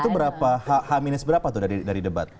itu berapa h berapa tuh dari debat